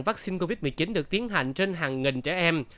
vaccine covid một mươi chín được tiến hành trên hàng nghìn trẻ em